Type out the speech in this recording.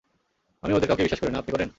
আমি ওদের কাউকেই বিশ্বাস করি না, আপনি করেন?